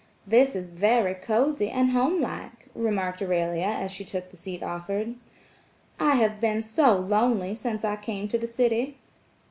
"This is very cosy and homelike," remarked Aurelia as she took the seat offered. "I have been so lonely since I came to the city."